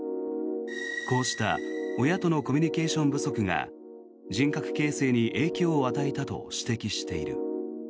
こうした親とのコミュニケーション不足が人格形成に影響を与えたと指摘している。